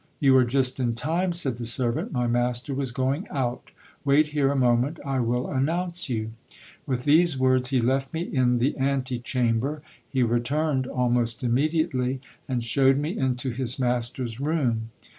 You are just in time, said the servant : my master was going out. Wait here a moment : I will announce you. With these words, he left me in the anti chamber. He returned almost immediately, and showed me into his master's room.